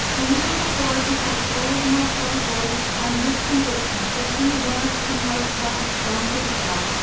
A year before he had told Marcella Boyce, and with conviction, that he was an outcast from his class.